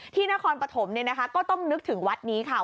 ที่นครปฐมเนี่ยนะคะก็ต้องนึกถึงวัดนี้ค่ะ